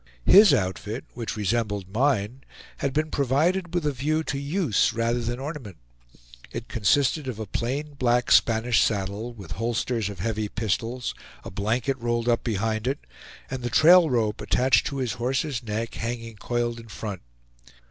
His outfit, which resembled mine, had been provided with a view to use rather than ornament. It consisted of a plain, black Spanish saddle, with holsters of heavy pistols, a blanket rolled up behind it, and the trail rope attached to his horse's neck hanging coiled in front.